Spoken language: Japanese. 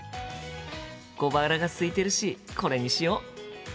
小腹がすいてるしこれにしよう！